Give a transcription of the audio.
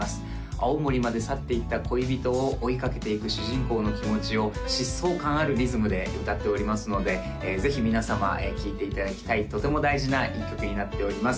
青森まで去っていった恋人を追いかけていく主人公の気持ちを疾走感あるリズムで歌っておりますのでぜひ皆様聴いていただきたいとても大事な１曲になっております